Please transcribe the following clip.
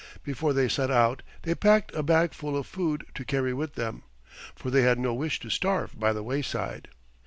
Before they set out they packed a bag full of food to carry with them, for they had no wish to starve by the wayside.